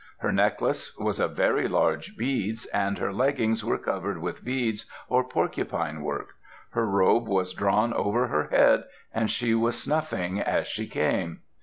Her necklace was of very large beads, and her leggings were covered with beads or porcupine work. Her robe was drawn over her head and she was snuffing as she came.